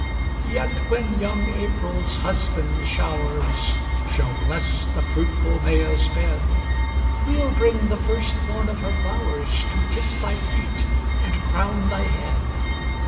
Yet when young April's husband showers Shall bless the fruitful Maia's bed, We'll bring the first born of her flowers, To kiss thy feet, and crown thy head.